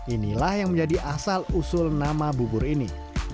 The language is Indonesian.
inilah yang menjadi asal usul nama bubur ini